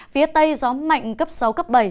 phía tây gió mạnh cấp sáu cấp bảy